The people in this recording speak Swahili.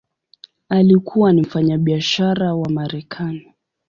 Alikuwa ni mfanyabiashara wa Marekani.